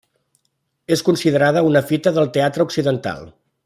És considerada una fita del teatre occidental.